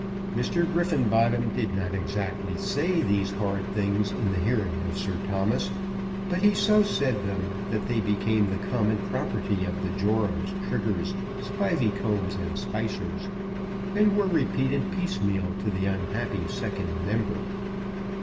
Mr. Griffenbottom did not exactly say these hard things in the hearing of Sir Thomas, but he so said them that they became the common property of the Jorams, Triggers, Spiveycombs, and Spicers; and were repeated piecemeal to the unhappy second member.